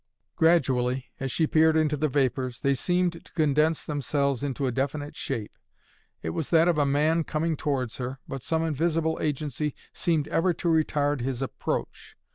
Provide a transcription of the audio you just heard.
Gradually, as she peered into the vapors, they seemed to condense themselves into a definite shape. It was that of a man coming towards her, but some invisible agency seemed ever to retard his approach.